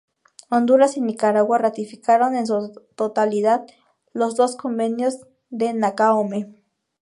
Honduras y Nicaragua ratificaron en su totalidad los dos convenios de Nacaome.